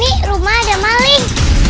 oh ini rumah ada maling